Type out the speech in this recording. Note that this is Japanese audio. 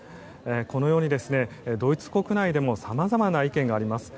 このように、ドイツ国内でもさまざまな意見があります。